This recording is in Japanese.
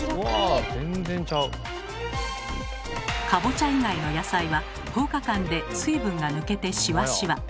かぼちゃ以外の野菜は１０日間で水分が抜けてシワシワ。